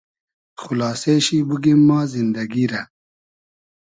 خولاسې شی بوگیم ما زیندئگی رۂ